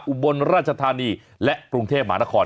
อุบลราชธานีและกรุงเทพหมานคร